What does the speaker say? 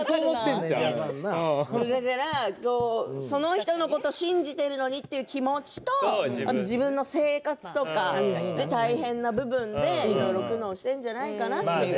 その人のことを信じているのにという気持ちと自分の生活とか大変な部分でいろいろ苦悩しているんじゃないかなって。